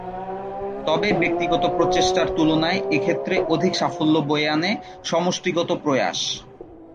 তবে ব্যক্তিগত প্রচেষ্টার তুলনায় এক্ষেত্রে অধিক সাফল্য বয়ে আনে সমষ্টিগত প্রয়াস।